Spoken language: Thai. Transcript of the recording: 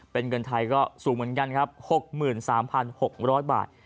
เป็นเงินไทยก็สูงเหมือนกันครับ๖๓๖๐๐บาท